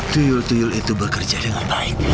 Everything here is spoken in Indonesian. tuyul tuyul itu bekerja dengan baik